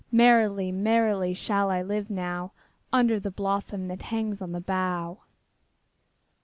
Merrily, merrily shall I live now Under the blossom that hangs on the bough.